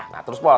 nah terus pak